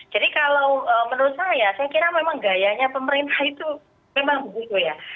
jadi kalau menurut saya saya kira memang gayanya pemerintah itu memang butuh ya